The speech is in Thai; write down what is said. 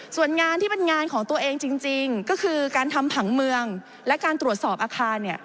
ส่วนงานที่เป็นงานของตัวเองจริงก็คือการทำผังเมืองและการตรวจสอบอาคารเนี่ย